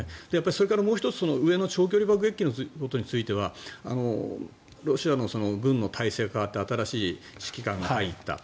それから、もう１つ長距離爆撃機についてはロシアの軍の体制が変わって新しい指揮官が入った。